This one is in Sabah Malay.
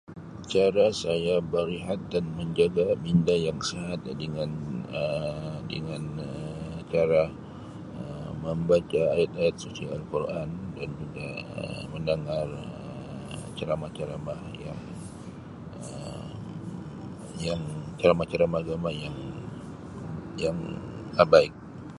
Cara saya barihat dan menjaga minda yang sihat dingan Um dingan Um cara membaca ayat-ayat suci al-Quran dan juga Um mendengar Um ceramah-ceramah Um yang ceramah-ceramah agama yang-yang Um baik.